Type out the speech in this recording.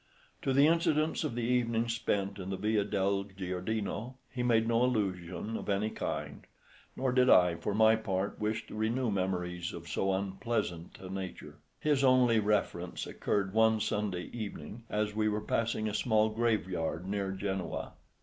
To the incidents of the evening spent in the Via del Giardino he made no allusion of any kind, nor did I for my part wish to renew memories of so unpleasant a nature. His only reference occurred one Sunday evening as we were passing a small graveyard near Genoa.